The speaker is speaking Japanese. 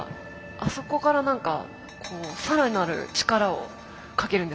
あそこから何か更なる力をかけるんですかね。